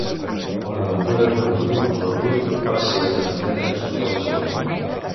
Bonaventura Conill i Montobbio va ser un arquitecte nascut a Barcelona.